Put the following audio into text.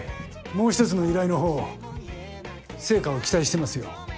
もう１つの依頼の方成果を期待してますよ。